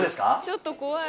ちょっとこわい。